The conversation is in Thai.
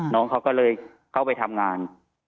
น้องเขาก็เลยเข้าไปทำงาน